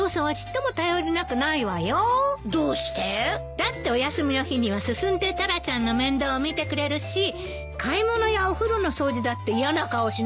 だってお休みの日には進んでタラちゃんの面倒を見てくれるし買い物やお風呂の掃除だって嫌な顔しないでやってくれるもの。